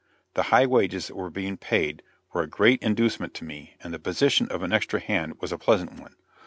The high wages that were being paid were a great inducement to me, and the position of an "extra hand" was a pleasant one.